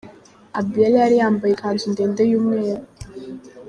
Abiella yari yambaye ikanzu ndende yumweru.